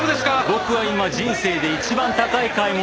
僕は今人生で一番高い買い物をしています。